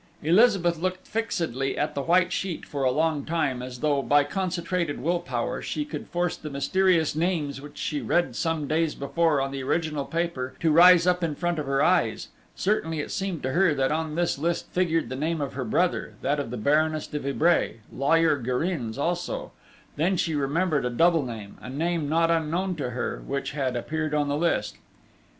Elizabeth looked fixedly at the white sheet for a long time, as though, by concentrated will power, she could force the mysterious names which she read some days before on the original paper, to rise up in front of her eyes. Certainly it seemed to her that on this list figured the name of her brother, that of the Baroness de Vibray, lawyer Gérin's also: then she remembered a double name, a name not unknown to her, which had appeared in the list.